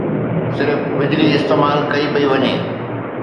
صرف بجلي استعمال ڪئي پئي وڃي